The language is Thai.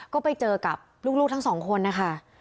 ก็ไปเจอกับลูกทั้งสองคนนะคะ